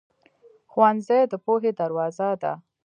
ښوونځی د پوهې دروازه ده.